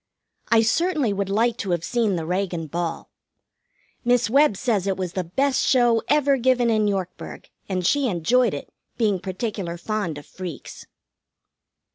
I certainly would like to have seen the Reagan ball. Miss Webb says it was the best show ever given in Yorkburg, and she enjoyed it, being particular fond of freaks.